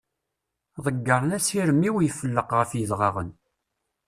Deggren asirem-iw, ifelleq ɣef yidɣaɣen.